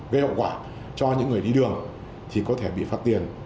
gây hậu quả cho những người đi đường thì có thể bị phạt tiền